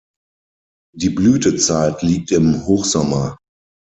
Die Blütezeit liegt im Hochsommer.